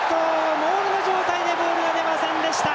モールの状態でボールが出ませんでした。